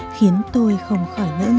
khiến tôi không khỏi ngỡ ngàng